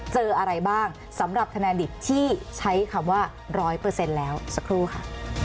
เจออะไรบ้างสำหรับคะแนนดิบที่ใช้คำว่า๑๐๐แล้วสักครู่ค่ะ